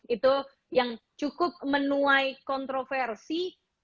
itu yang cukup menuai kontroversi